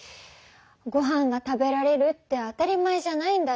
ごはんが食べられるって当たり前じゃないんだね。